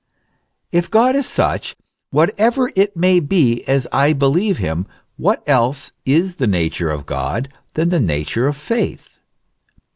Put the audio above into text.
If God is such, whatever it may be, as I believe Him, what else is the nature of God than the nature of faith